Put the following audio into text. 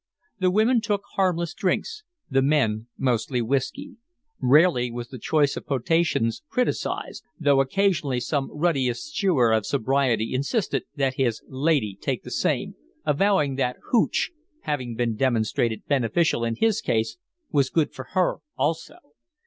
The women took harmless drinks, the men, mostly whiskey. Rarely was the choice of potations criticised, though occasionally some ruddy eschewer of sobriety insisted that his lady "take the same," avowing that "hootch," having been demonstrated beneficial in his case, was good for her also.